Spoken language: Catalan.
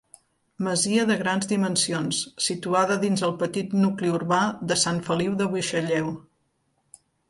Masia de grans dimensions, situada dins el petit nucli urbà de Sant Feliu de Buixalleu.